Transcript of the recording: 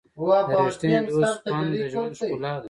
د ریښتیني دوست خوند د ژوند ښکلا ده.